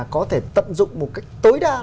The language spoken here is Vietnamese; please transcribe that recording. có thể tận dụng một cách tối đa